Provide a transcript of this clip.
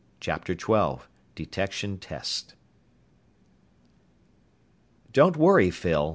CHAPTER XII DETECTION TEST "Don't worry, Phyl.